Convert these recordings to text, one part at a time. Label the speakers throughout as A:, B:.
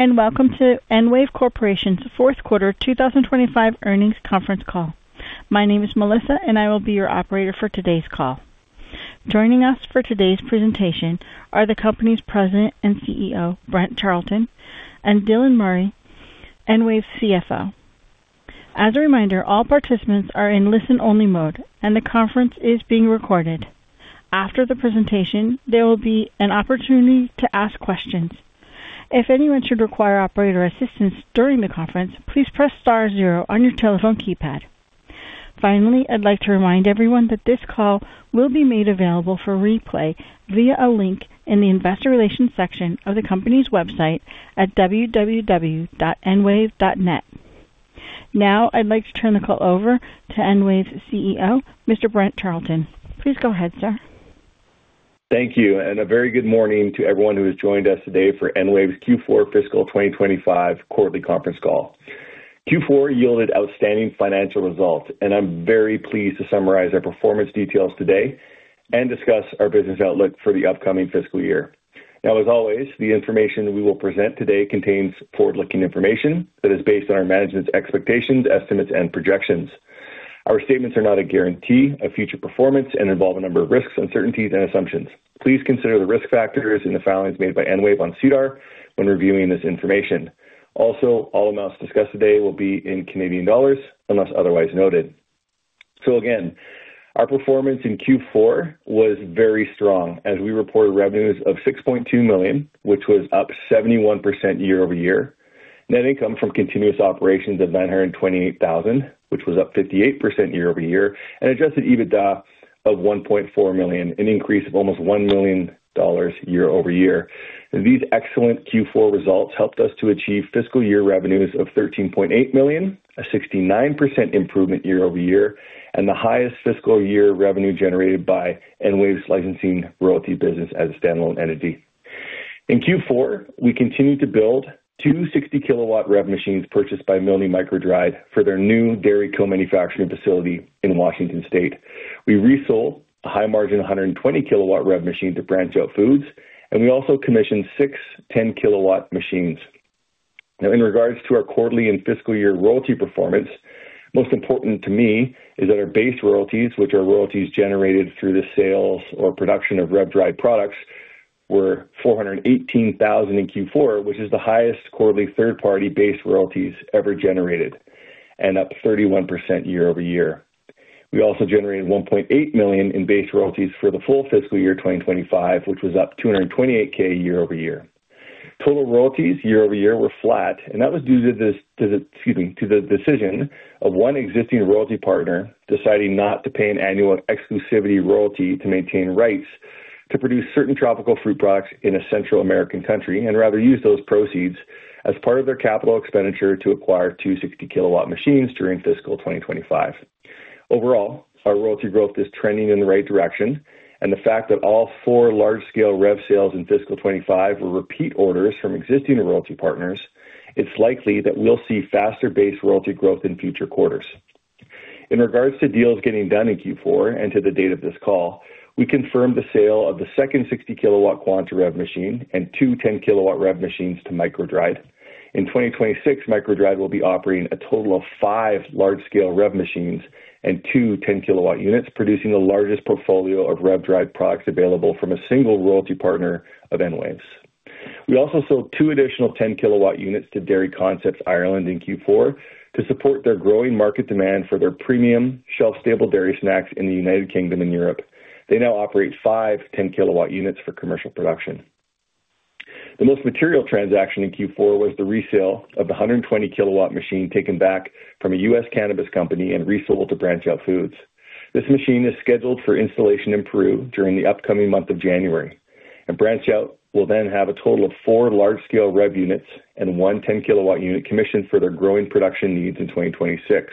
A: Welcome to EnWave Corporation's Fourth Quarter 2025 Earnings Conference Call. My name is Melissa, and I will be your operator for today's call. Joining us for today's presentation are the company's President and CEO, Brent Charleton, and Dylan Murray, EnWave's CFO. As a reminder, all participants are in listen-only mode, and the conference is being recorded. After the presentation, there will be an opportunity to ask questions. If anyone should require operator assistance during the conference, please press star zero on your telephone keypad. Finally, I'd like to remind everyone that this call will be made available for replay via a link in the investor relations section of the company's website at www.enwave.net. Now, I'd like to turn the call over to EnWave's CEO, Mr. Brent Charleton. Please go ahead, sir.
B: Thank you, and a very good morning to everyone who has joined us today for EnWave's Q4 fiscal 2025 quarterly conference call. Q4 yielded outstanding financial results, and I'm very pleased to summarize our performance details today and discuss our business outlook for the upcoming fiscal year. Now, as always, the information we will present today contains forward-looking information that is based on our management's expectations, estimates, and projections. Our statements are not a guarantee of future performance and involve a number of risks, uncertainties, and assumptions. Please consider the Risk Factors in the filings made by EnWave on SEDAR when reviewing this information. Also, all amounts discussed today will be in Canadian dollars unless otherwise noted. So again, our performance in Q4 was very strong as we reported revenues of 6.2 million, which was up 71% year over year. Net income from continuous operations of 928,000, which was up 58% year over year, and adjusted EBITDA of 1.4 million, an increase of almost 1 million dollars year over year. These excellent Q4 results helped us to achieve fiscal year revenues of 13.8 million, a 69% improvement year over year, and the highest fiscal year revenue generated by EnWave's licensing royalty business as a standalone entity. In Q4, we continued to build two 60 kW REV machines purchased by Milne MicroDried for their new dairy co-manufacturing facility in Washington State. We resold a high-margin 120 kW REV machine to BranchOut Foods, and we also commissioned six 10 kW REV machines. Now, in regards to our quarterly and fiscal year royalty performance, most important to me is that our base royalties, which are royalties generated through the sales or production of REV-dried products, were 418,000 in Q4, which is the highest quarterly third-party base royalties ever generated, and up 31% year over year. We also generated 1.8 million in base royalties for the full fiscal year 2025, which was up 228,000 year over year. Total royalties year over year were flat, and that was due to the, excuse me, to the decision of one existing royalty partner deciding not to pay an annual exclusivity royalty to maintain rights to produce certain tropical fruit products in a Central American country and rather use those proceeds as part of their capital expenditure to acquire two 60 kW REV machines during fiscal 2025. Overall, our royalty growth is trending in the right direction, and the fact that all four large-scale REV sales in fiscal 2025 were repeat orders from existing royalty partners, it's likely that we'll see faster base royalty growth in future quarters. In regards to deals getting done in Q4 and to the date of this call, we confirmed the sale of the second 60 kW quantaREV machine and two 10 kW REV machines to Milne MicroDried. In 2026, Milne MicroDried will be operating a total of five large-scale REV machines and two 10 kW units, producing the largest portfolio of REV-dried products available from a single royalty partner of EnWave. We also sold two additional 10 kW units to Dairy Concepts Ireland in Q4 to support their growing market demand for their premium shelf-stable dairy snacks in the United Kingdom and Europe. They now operate five 10 kW units for commercial production. The most material transaction in Q4 was the resale of the 120 kW machine taken back from a U.S. cannabis company and resold to BranchOut Foods. This machine is scheduled for installation in Peru during the upcoming month of January, and BranchOut will then have a total of four large-scale REV units and one 10 kW unit commissioned for their growing production needs in 2026.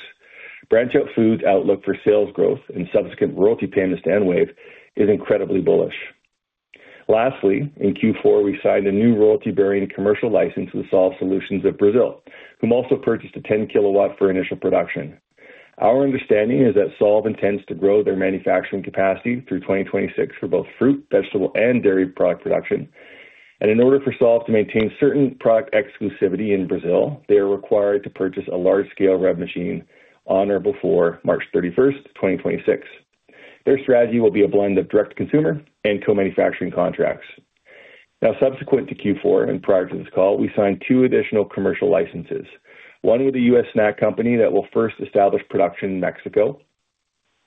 B: BranchOut Foods' outlook for sales growth and subsequent royalty payments to EnWave is incredibly bullish. Lastly, in Q4, we signed a new royalty-bearing commercial license with Solve Solutions of Brazil, who also purchased a 10 kW for initial production. Our understanding is that Solve intends to grow their manufacturing capacity through 2026 for both fruit, vegetable, and dairy product production, and in order for Solve to maintain certain product exclusivity in Brazil, they are required to purchase a large-scale REV machine on or before March 31st, 2026. Their strategy will be a blend of direct-to-consumer and co-manufacturing contracts. Now, subsequent to Q4 and prior to this call, we signed two additional commercial licenses: one with a U.S. snack company that will first establish production in Mexico,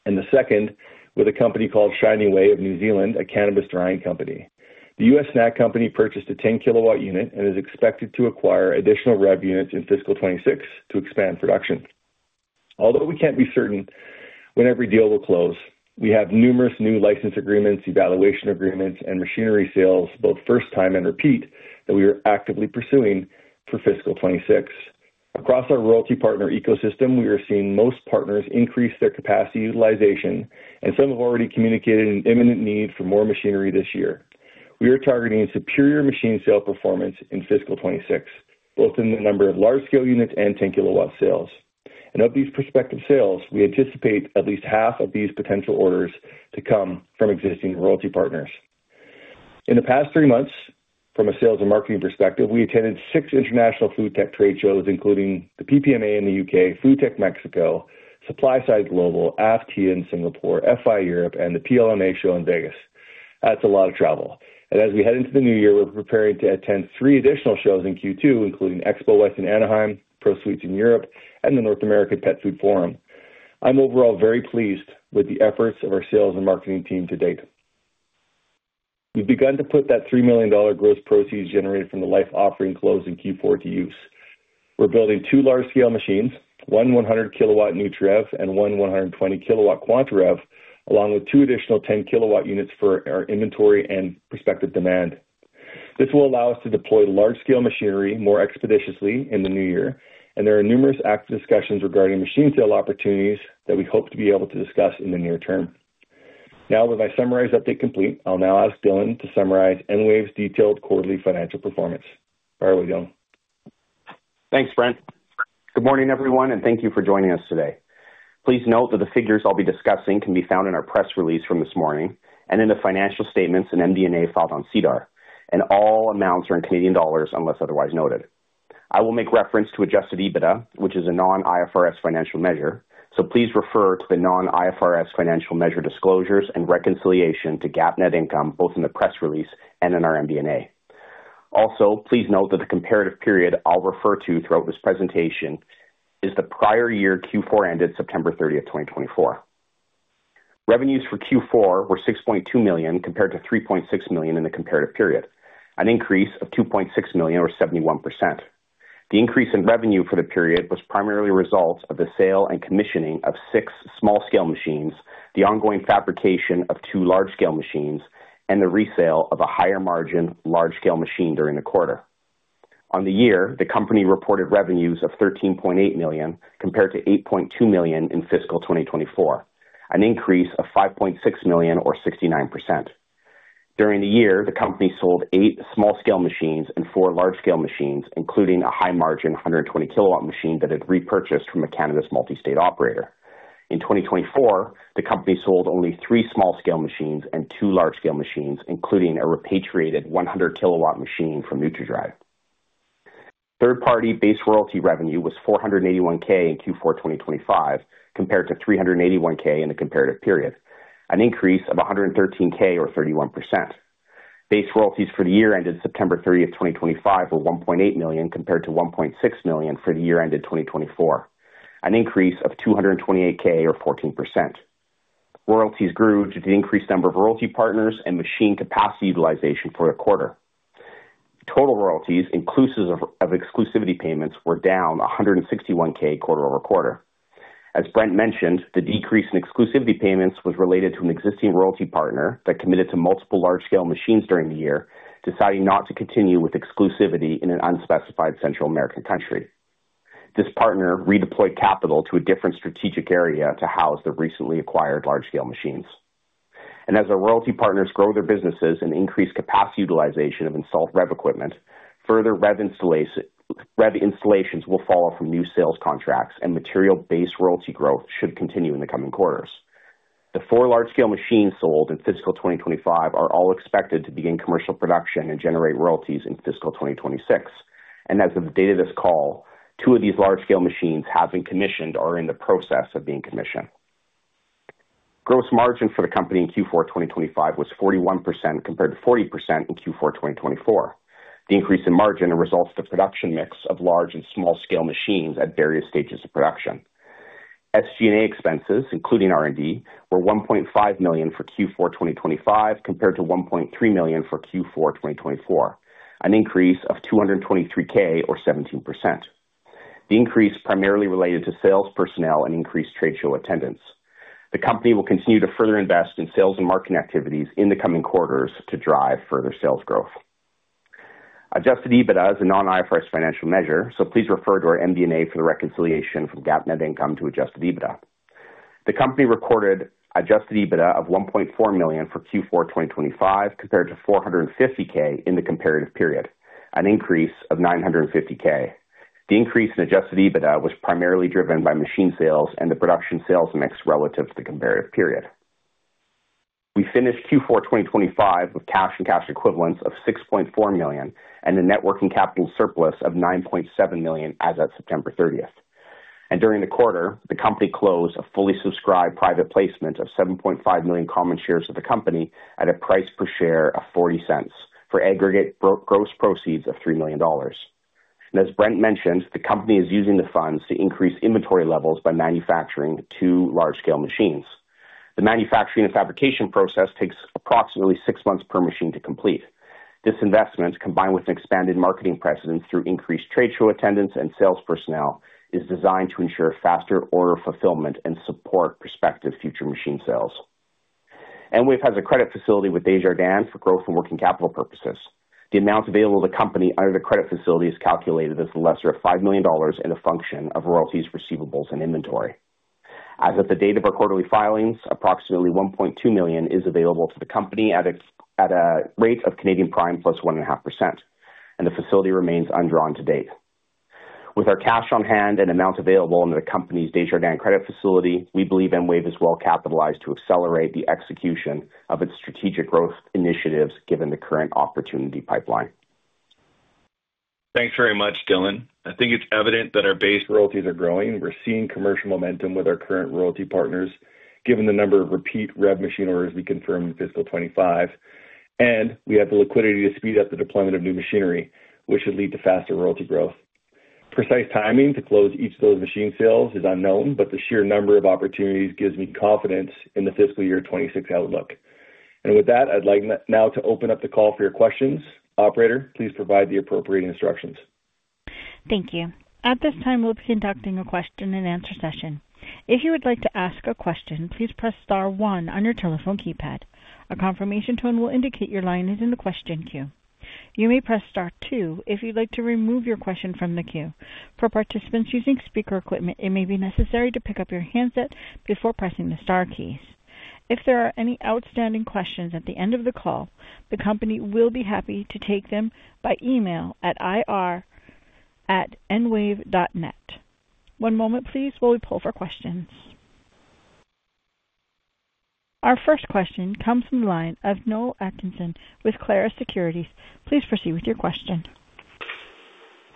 B: and the second with a company called Shinyway of New Zealand, a cannabis drying company. The U.S. snack company purchased a 10 kW unit and is expected to acquire additional REV units in fiscal 2026 to expand production. Although we can't be certain when every deal will close, we have numerous new license agreements, evaluation agreements, and machinery sales, both first-time and repeat, that we are actively pursuing for fiscal 2026. Across our royalty partner ecosystem, we are seeing most partners increase their capacity utilization, and some have already communicated an imminent need for more machinery this year. We are targeting superior machine sale performance in fiscal 2026, both in the number of large-scale units and 10 kW sales, and of these prospective sales, we anticipate at least half of these potential orders to come from existing royalty partners. In the past three months, from a sales and marketing perspective, we attended six international food tech trade shows, including the PPMA in the U.K., Food Tech Mexico, SupplySide Global, AFT in Singapore, Fi Europe, and the PLMA show in Vegas. That's a lot of travel. And as we head into the new year, we're preparing to attend three additional shows in Q2, including Expo West in Anaheim, ProSweets in Europe, and the North American Pet Food Forum. I'm overall very pleased with the efforts of our sales and marketing team to date. We've begun to put that 3 million dollar gross proceeds generated from the LIFE offering close in Q4 to use. We're building two large-scale machines, one 100 kW nutraREV and one 120 kW quantaREV, along with two additional 10 kW units for our inventory and prospective demand. This will allow us to deploy large-scale machinery more expeditiously in the new year, and there are numerous active discussions regarding machine sale opportunities that we hope to be able to discuss in the near term. Now, with my summarized update complete, I'll now ask Dylan to summarize EnWave's detailed quarterly financial performance. All right, Dylan.
C: Thanks, Brent. Good morning, everyone, and thank you for joining us today. Please note that the figures I'll be discussing can be found in our press release from this morning and in the financial statements and MD&A filed on SEDAR, and all amounts are in Canadian dollars unless otherwise noted. I will make reference to adjusted EBITDA, which is a non-IFRS financial measure, so please refer to the non-IFRS financial measure disclosures and reconciliation to GAAP net income, both in the press release and in our MD&A. Also, please note that the comparative period I'll refer to throughout this presentation is the prior year Q4 ended September 30th, 2024. Revenues for Q4 were 6.2 million compared to 3.6 million in the comparative period, an increase of 2.6 million, or 71%. The increase in revenue for the period was primarily a result of the sale and commissioning of six small-scale machines, the ongoing fabrication of two large-scale machines, and the resale of a higher-margin large-scale machine during the quarter. On the year, the company reported revenues of 13.8 million compared to 8.2 million in fiscal 2024, an increase of 5.6 million, or 69%. During the year, the company sold eight small-scale machines and four large-scale machines, including a high-margin 120 kW machine that it repurchased from a cannabis multi-state operator. In 2024, the company sold only three small-scale machines and two large-scale machines, including a repatriated 100 kW machine from NutraDried. Third-party base royalty revenue was 481,000 in Q4 2025 compared to 381,000 in the comparative period, an increase of 113,000, or 31%. Base royalties for the year ended September 30th, 2025, were 1.8 million compared to 1.6 million for the year ended 2024, an increase of 228,000, or 14%. Royalties grew due to the increased number of royalty partners and machine capacity utilization for the quarter. Total royalties, inclusive of exclusivity payments, were down 161,000 quarter over quarter. As Brent mentioned, the decrease in exclusivity payments was related to an existing royalty partner that committed to multiple large-scale machines during the year, deciding not to continue with exclusivity in an unspecified Central American country. This partner redeployed capital to a different strategic area to house the recently acquired large-scale machines. And as our royalty partners grow their businesses and increase capacity utilization of installed REV equipment, further REV installations will follow from new sales contracts, and material-based royalty growth should continue in the coming quarters. The four large-scale machines sold in fiscal 2025 are all expected to begin commercial production and generate royalties in fiscal 2026. And as of the date of this call, two of these large-scale machines have been commissioned or are in the process of being commissioned. Gross margin for the company in Q4 2025 was 41% compared to 40% in Q4 2024, the increase in margin results to production mix of large and small-scale machines at various stages of production. SG&A expenses, including R&D, were 1.5 million for Q4 2025 compared to 1.3 million for Q4 2024, an increase of 223,000, or 17%. The increase primarily related to sales, personnel, and increased trade show attendance. The company will continue to further invest in sales and marketing activities in the coming quarters to drive further sales growth. Adjusted EBITDA is a non-IFRS financial measure, so please refer to our MD&A for the reconciliation from GAAP net income to adjusted EBITDA. The company recorded adjusted EBITDA of 1.4 million for Q4 2025 compared to 450,000 in the comparative period, an increase of 950,000. The increase in adjusted EBITDA was primarily driven by machine sales and the production sales mix relative to the comparative period. We finished Q4 2025 with cash and cash equivalents of 6.4 million and a net working capital surplus of 9.7 million as of September 30th. During the quarter, the company closed a fully subscribed private placement of $7.5 million common shares of the company at a price per share of 0.40 for aggregate gross proceeds of 3 million dollars. As Brent mentioned, the company is using the funds to increase inventory levels by manufacturing two large-scale machines. The manufacturing and fabrication process takes approximately six months per machine to complete. This investment, combined with an expanded marketing presence through increased trade show attendance and sales personnel, is designed to ensure faster order fulfillment and support prospective future machine sales. EnWave has a credit facility with Desjardins for growth and working capital purposes. The amount available to the company under the credit facility is calculated as the lesser of 5 million dollars and a function of royalties, receivables, and inventory. As of the date of our quarterly filings, approximately 1.2 million is available to the company at a rate of Canadian Prime +1.5%, and the facility remains undrawn to date. With our cash on hand and amount available under the company's Desjardins credit facility, we believe EnWave is well capitalized to accelerate the execution of its strategic growth initiatives given the current opportunity pipeline.
B: Thanks very much, Dylan. I think it's evident that our base royalties are growing. We're seeing commercial momentum with our current royalty partners given the number of repeat REV machine orders we confirmed in fiscal 2025, and we have the liquidity to speed up the deployment of new machinery, which should lead to faster royalty growth. Precise timing to close each of those machine sales is unknown, but the sheer number of opportunities gives me confidence in the fiscal year 2026 outlook. And with that, I'd like now to open up the call for your questions. Operator, please provide the appropriate instructions.
A: Thank you. At this time, we'll be conducting a question-and-answer session. If you would like to ask a question, please press Star 1 on your telephone keypad. A confirmation tone will indicate your line is in the question queue. You may press Star 2 if you'd like to remove your question from the queue. For participants using speaker equipment, it may be necessary to pick up your handset before pressing the Star keys. If there are any outstanding questions at the end of the call, the company will be happy to take them by email at ir@enwave.net. One moment, please, while we pull for questions. Our first question comes from the line of Noel Atkinson with Clarus Securities. Please proceed with your question.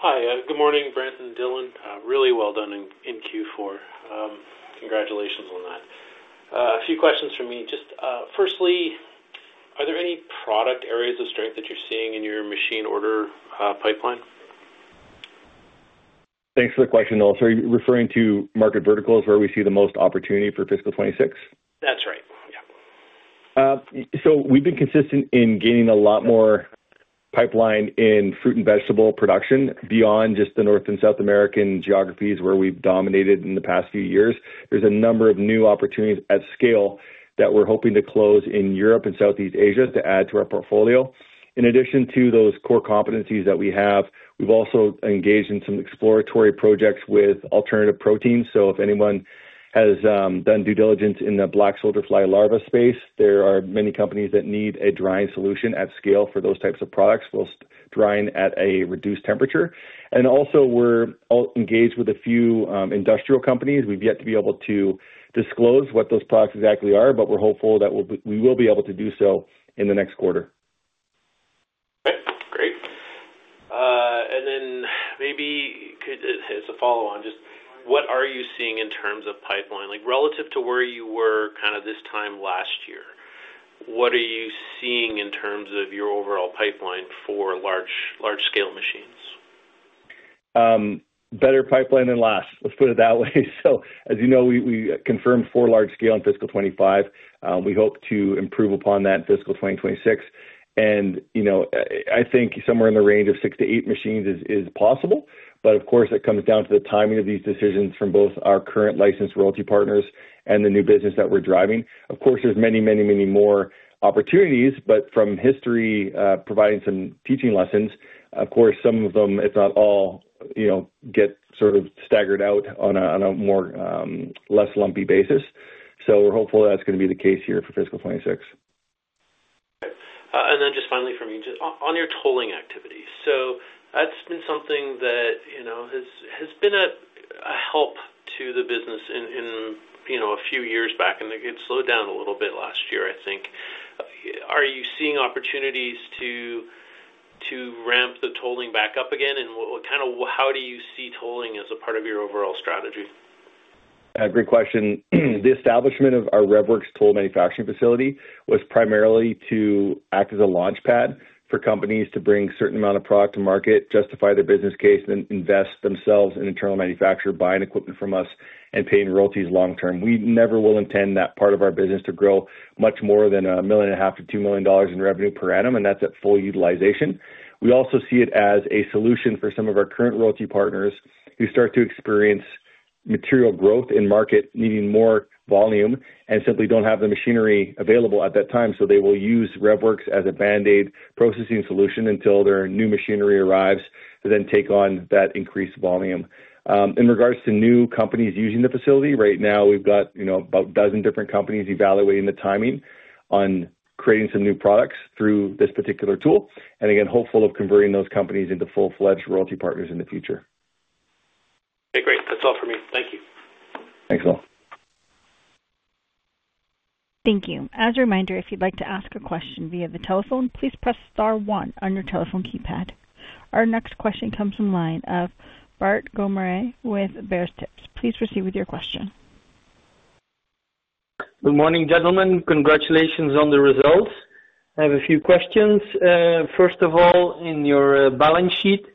D: Hi. Good morning, Brent and Dylan. Really well done in Q4. Congratulations on that. A few questions for me. Just firstly, are there any product areas of strength that you're seeing in your machine order pipeline?
B: Thanks for the question, Noel. So are you referring to market verticals where we see the most opportunity for fiscal 2026?
D: That's right. Yeah.
B: We've been consistent in gaining a lot more pipeline in fruit and vegetable production beyond just the North and South American geographies where we've dominated in the past few years. There's a number of new opportunities at scale that we're hoping to close in Europe and Southeast Asia to add to our portfolio. In addition to those core competencies that we have, we've also engaged in some exploratory projects with alternative proteins. So if anyone has done due diligence in the black soldier fly larva space, there are many companies that need a drying solution at scale for those types of products while drying at a reduced temperature. And also, we're engaged with a few industrial companies. We've yet to be able to disclose what those products exactly are, but we're hopeful that we will be able to do so in the next quarter.
D: Okay. Great. And then maybe as a follow-on, just what are you seeing in terms of pipeline relative to where you were kind of this time last year? What are you seeing in terms of your overall pipeline for large-scale machines?
B: Better pipeline than last, let's put it that way, so as you know, we confirmed four large-scale in fiscal 2025. We hope to improve upon that in fiscal 2026, and I think somewhere in the range of six to eight machines is possible, but of course, it comes down to the timing of these decisions from both our current licensed royalty partners and the new business that we're driving. Of course, there's many, many, many more opportunities, but from history, providing some teaching lessons, of course, some of them, if not all, get sort of staggered out on a less lumpy basis, so we're hopeful that's going to be the case here for fiscal 2026.
D: And then just finally for me, on your tolling activities. So that's been something that has been a help to the business a few years back, and it slowed down a little bit last year, I think. Are you seeing opportunities to ramp the tolling back up again? And kind of how do you see tolling as a part of your overall strategy?
B: Great question. The establishment of our REVworx toll manufacturing facility was primarily to act as a launchpad for companies to bring a certain amount of product to market, justify their business case, and then invest themselves in internal manufacturer, buying equipment from us and paying royalties long-term. We never will intend that part of our business to grow much more than 1.5 million-2 million dollars in revenue per annum, and that's at full utilization. We also see it as a solution for some of our current royalty partners who start to experience material growth in market, needing more volume, and simply don't have the machinery available at that time. So they will use REVworx as a Band-Aid processing solution until their new machinery arrives to then take on that increased volume. In regards to new companies using the facility, right now, we've got about a dozen different companies evaluating the timing on creating some new products through this particular tool, and again, hopeful of converting those companies into full-fledged royalty partners in the future.
D: Okay. Great. That's all for me. Thank you.
B: Thanks, Noel.
A: Thank you. As a reminder, if you'd like to ask a question via the telephone, please press Star 1 on your telephone keypad. Our next question comes from the line of Bart Goemaere with BeursTips. Please proceed with your question.
E: Good morning, gentlemen. Congratulations on the results. I have a few questions. First of all, in your balance sheet,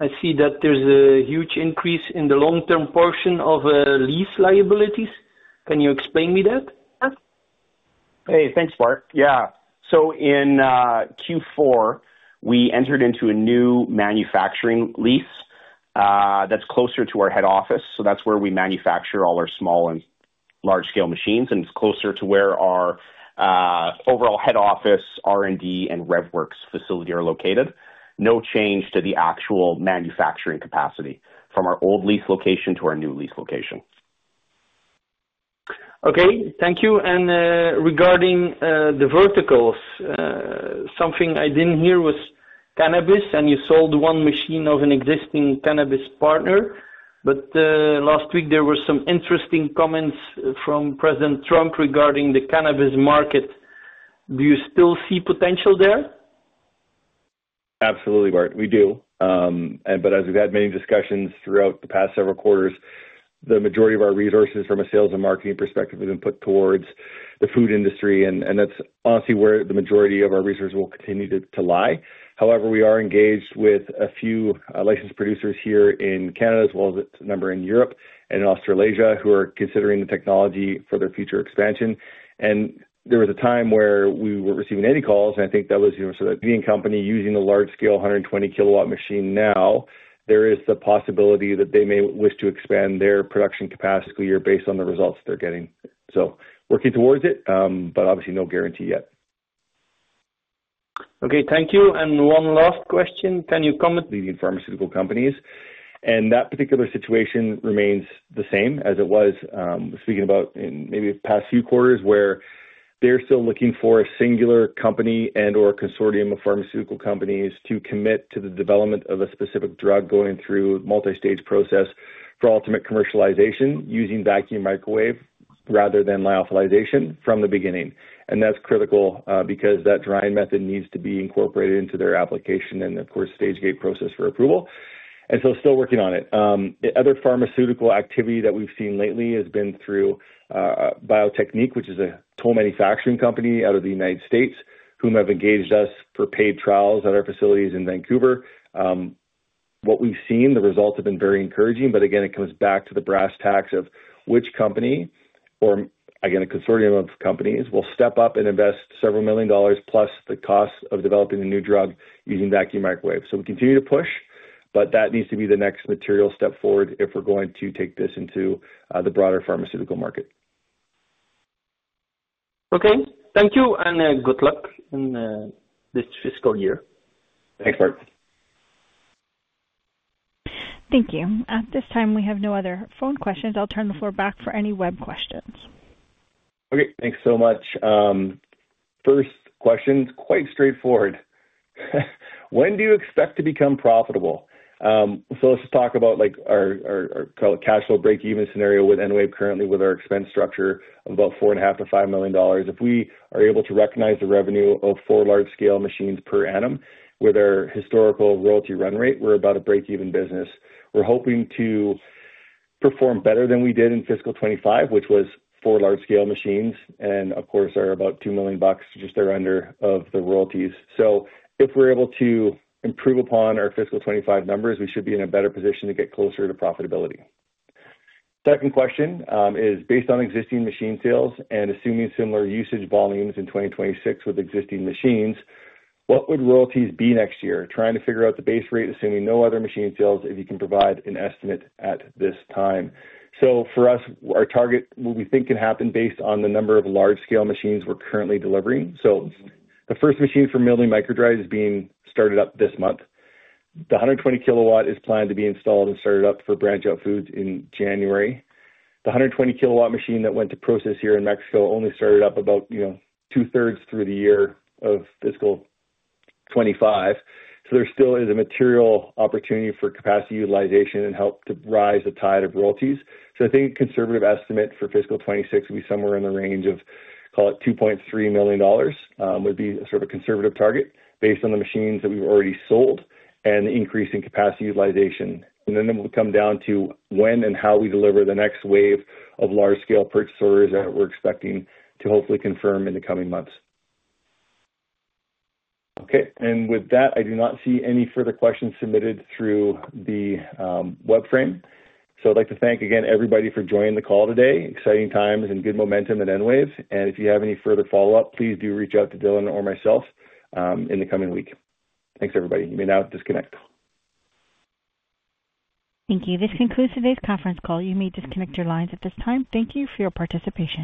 E: I see that there's a huge increase in the long-term portion of lease liabilities. Can you explain me that?
C: Hey. Thanks, Bart. Yeah. In Q4, we entered into a new manufacturing lease that's closer to our head office. So that's where we manufacture all our small and large-scale machines, and it's closer to where our overall head office, R&D, and REVworx facility are located. No change to the actual manufacturing capacity from our old lease location to our new lease location.
E: Okay. Thank you. And regarding the verticals, something I didn't hear was cannabis, and you sold one machine of an existing cannabis partner. But last week, there were some interesting comments from President Trump regarding the cannabis market. Do you still see potential there?
B: Absolutely, Bart. We do, but as we've had many discussions throughout the past several quarters, the majority of our resources from a sales and marketing perspective have been put towards the food industry, and that's honestly where the majority of our resources will continue to lie. However, we are engaged with a few licensed producers here in Canada, as well as a number in Europe and in Australasia who are considering the technology for their future expansion. There was a time where we weren't receiving any calls, and I think that was sort of the case. One company using a large-scale 120 kW REV machine now, there is the possibility that they may wish to expand their production capacity this fiscal year based on the results that they're getting, so working towards it, but obviously no guarantee yet.
E: Okay. Thank you. And one last question. Can you--
B: Leading pharmaceutical companies and that particular situation remains the same as it was, speaking about in maybe the past few quarters, where they're still looking for a singular company and/or a consortium of pharmaceutical companies to commit to the development of a specific drug going through a multi-stage process for ultimate commercialization using vacuum microwave rather than lyophilization from the beginning. And that's critical because that drying method needs to be incorporated into their application and, of course, stage gate process for approval, and so still working on it. Other pharmaceutical activity that we've seen lately has been through BioTechnique, which is a toll manufacturing company out of the United States who have engaged us for paid trials at our facilities in Vancouver. What we've seen, the results have been very encouraging. But again, it comes back to the brass tacks of which company, or again, a consortium of companies, will step up and invest several million dollars plus the cost of developing a new drug using Vacuum Microwave. We continue to push, but that needs to be the next material step forward if we're going to take this into the broader pharmaceutical market.
E: Okay. Thank you, and good luck in this fiscal year.
B: Thanks, Bart.
A: Thank you. At this time, we have no other phone questions. I'll turn the floor back for any web questions.
B: Okay. Thanks so much. First question is quite straightforward. When do you expect to become profitable? So let's just talk about our cash flow break-even scenario with EnWave currently with our expense structure of about $4.5 million-$5 million. If we are able to recognize the revenue of four large-scale machines per annum with our historical royalty run rate, we're about a break-even business. We're hoping to perform better than we did in fiscal 2025, which was four large-scale machines, and of course, are about $2 million just there under of the royalties. So if we're able to improve upon our fiscal 2025 numbers, we should be in a better position to get closer to profitability. Second question is, based on existing machine sales and assuming similar usage volumes in 2026 with existing machines, what would royalties be next year? Trying to figure out the base rate, assuming no other machine sales, if you can provide an estimate at this time, so for us, our target, what we think can happen based on the number of large-scale machines we're currently delivering, so the first machine for Milne MicroDried is being started up this month. The 120 kW is planned to be installed and started up for BranchOut Food in January. The 120 kW machine that went to Procescir in Mexico only started up about 2/3 through the year of fiscal 2025, so there still is a material opportunity for capacity utilization and help to rise the tide of royalties, I think a conservative estimate for fiscal 2026 would be somewhere in the range of, call it 2.3 million dollars would be sort of a conservative target based on the machines that we've already sold and the increase in capacity utilization. And then it will come down to when and how we deliver the next wave of large-scale purchase orders that we're expecting to hopefully confirm in the coming months. Okay. And with that, I do not see any further questions submitted through the web frame. I'd like to thank again everybody for joining the call today. Exciting times and good momentum at EnWave. And if you have any further follow-up, please do reach out to Dylan or myself in the coming week. Thanks, everybody. You may now disconnect.
A: Thank you. This concludes today's conference call. You may disconnect your lines at this time. Thank you for your participation.